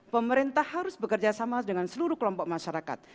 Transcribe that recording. pemerintah harus bekerjasama dengan seluruh kelompok masyarakat